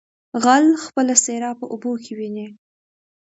ـ غل خپله څېره په اوبو کې ويني.